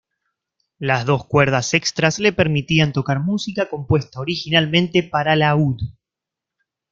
Las dos cuerdas extras le permitían tocar música compuesta originalmente para laúd.